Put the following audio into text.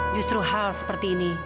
justru hal seperti ini